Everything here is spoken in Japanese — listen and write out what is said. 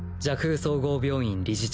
腔総合病院理事長